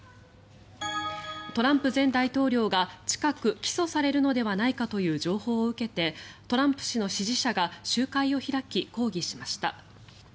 トランプ前大統領が近く起訴されるのではないかという情報を受けてトランプ氏の支持者が集会を開き抗議しました。